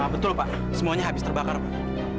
betul pak semuanya habis terbakar pak